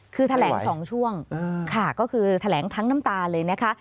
คือแถลง๒ช่วงค่ะก็คือแถลงทั้งน้ำตาเลยนะคะ